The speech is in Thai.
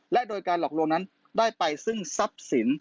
และโดยการหลอกลวงนั้นได้ไปซึ่งทรัพย์สิน